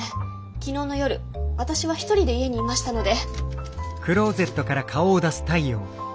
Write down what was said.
昨日の夜私は１人で家にいましたので。